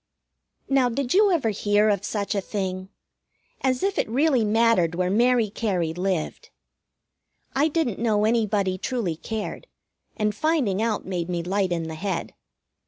Now, did you ever hear of such a thing? As if it really mattered where Mary Cary lived! I didn't know anybody truly cared, and finding out made me light in the head.